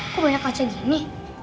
kok banyak kaca gini